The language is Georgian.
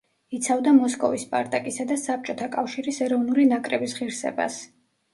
იცავდა მოსკოვის „სპარტაკისა“ და საბჭოთა კავშირის ეროვნული ნაკრების ღირსებას.